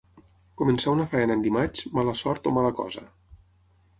Començar una feina en dimarts, mala sort o mala cosa.